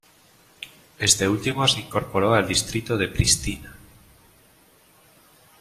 Este último se incorporó al Distrito de Pristina.